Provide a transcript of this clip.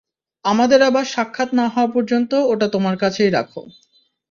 আমাদের আবার সাক্ষাৎ না হওয়া পর্যন্ত ওটা তোমার কাছেই রাখো।